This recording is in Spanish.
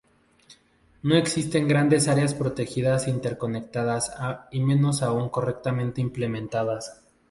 No existen grandes áreas protegidas interconectadas y menos aún correctamente implementadas.